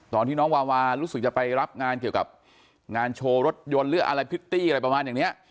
ตอนที่น้องวาวารู้สึกจะไปรับงานเกี่ยวกับงานโชว์รถยนต์หรืออะไรพริตตี้อะไรประมาณอย่างนี้